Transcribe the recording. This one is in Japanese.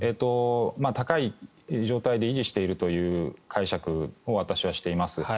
高い状態で維持しているという解釈を、私はしています。